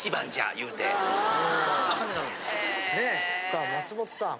さあ松本さん。